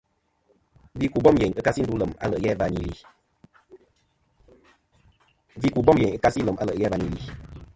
Gvi ku bom yeyn ɨ kasi ndu lem a le' ghe và nì li.